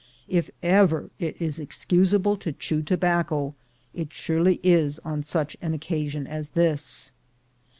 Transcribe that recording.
If ever it is ex cusable to chew tobacco, it surely is on such an occasion as this.